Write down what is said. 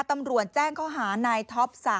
ตำรวจแจ้งข้อหานายท็อป๓